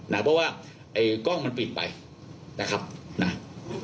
นะเพราะว่าไอ้กล้องมันปิดไปนะครับนะ